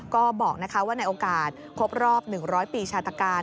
ก็บอกว่าในโอกาสครบรอบ๑๐๐ปีชาตการ